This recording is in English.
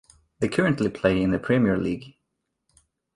They currently play in the Premier League.